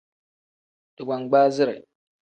Digbangbaazire.